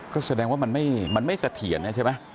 ก็แสดงว่ามันไม่เสถียรใช่ไหม